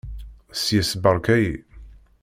Seg-s beṛka-yi.